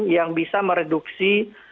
yang bisa mereduksi